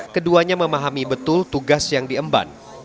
keduanya memahami betul tugas yang diemban